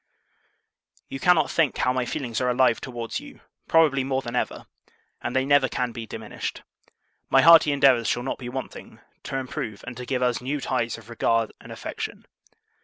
You cannot think how my feelings are alive towards you; probably, more than ever: and they never can be diminished. My hearty endeavours shall not be wanting, to improve and to give US NEW ties of regard and affection.